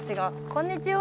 こんにちは。